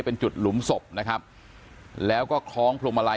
เป็นจุดหลุมศพนะครับแล้วก็คล้องพวงมาลัย